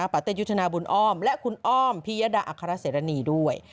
ปาเตยุทธนาบุญอ้อมและคุณอ้อมพิยดาอัครเสรณีด้วย